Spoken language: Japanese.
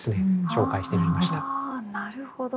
なるほど。